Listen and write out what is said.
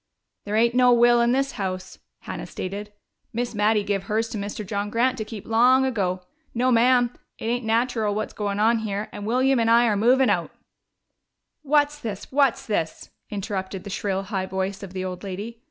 "There ain't no will in this house," Hannah stated. "Miss Mattie give hers to Mr. John Grant to keep, long ago. No, ma'am, it ain't nateral what's goin' on here, and William and I are movin' out " "What's this? What's this?" interrupted the shrill, high voice of the old lady.